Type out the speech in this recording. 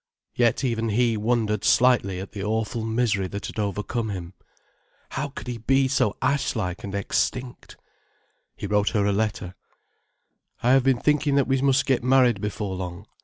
Yet even he wondered slightly at the awful misery that had overcome him. How could he be so ashlike and extinct? He wrote her a letter. "I have been thinking that we must get married before long.